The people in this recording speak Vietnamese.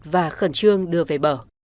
và khẩn trương đưa về bờ